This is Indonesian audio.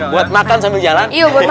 buat makan sambil jalan